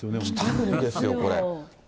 北国ですよ、これ。